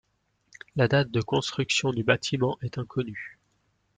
La date de construction du bâtiment est inconnue.